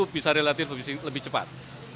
bisa relatif lebih cepat